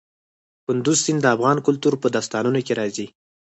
کندز سیند د افغان کلتور په داستانونو کې راځي.